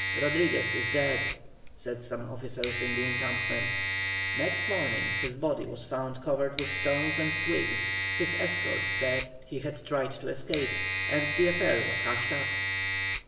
"Rodriguez is dead," said some officers in the encampment. Next morning his body was found covered with stones and twigs; his escort said he had tried to escape, and the affair was hushed up.